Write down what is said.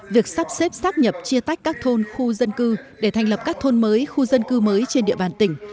việc sắp xếp sắp nhập chia tách các thôn khu dân cư để thành lập các thôn mới khu dân cư mới trên địa bàn tỉnh